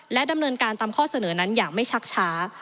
ดำเนินการตามข้อเสนอนั้นอย่างไม่ชักช้า